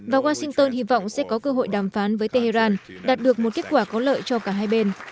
và washington hy vọng sẽ có cơ hội đàm phán với tehran đạt được một kết quả có lợi cho cả hai bên